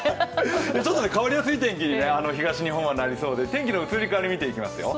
ちょっと変わりやすい天気に東日本はなりそうで天気の移り変わり見ていきますよ。